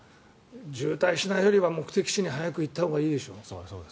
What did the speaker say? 渋滞しないよりは目的地に早く行ったほうがいいでしょ。